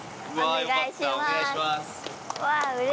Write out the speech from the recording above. お願いします。